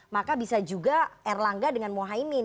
maka bisa juga erlangga dengan mohaimin